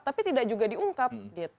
tapi tidak juga diungkap